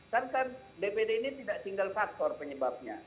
kan kan dpd ini tidak single factor penyebabnya